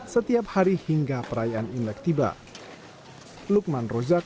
setiap hari hingga perayaan imlek tiba